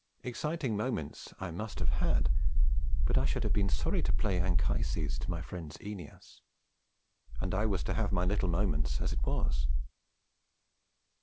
Exciting moments I must have had, but I should have been sorry to play Anchises to my friend's Æneas. And I was to have my little moments as it was.